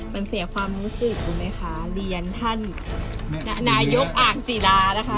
มันเสียความรู้สึกถูกไหมคะเรียนท่านนายกอ่างศิลานะคะ